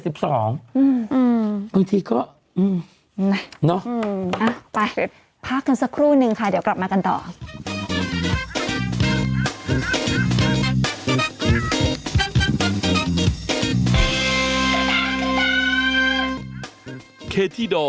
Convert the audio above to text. บางทีก็ไปพักกันสักครู่นึงค่ะเดี๋ยวกลับมากันต่อ